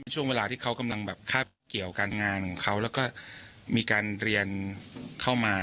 ช่วงเวลาที่เขากำลังแบบคาบเกี่ยวการงานของเขาแล้วก็มีการเรียนเข้ามา